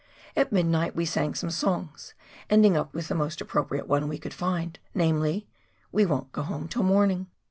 At midnight we sang some songs, ending up with the most appropriate one we could find, namely, " We won't go home till morning